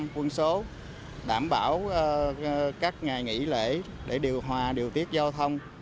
một trăm linh quân số đảm bảo các ngày nghỉ lễ để điều hòa điều tiết giao thông